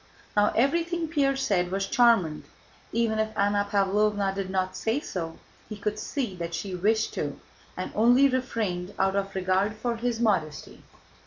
Now everything Pierre said was charmant. Even if Anna Pávlovna did not say so, he could see that she wished to and only refrained out of regard for his modesty.